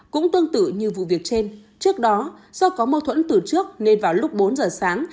cũng tương tự như vụ việc trên trước đó do có mâu thuẫn từ trước nên vào lúc bốn giờ sáng